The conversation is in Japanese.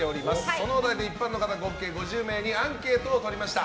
そのお題で一般の方合計５０名にアンケートを取りました。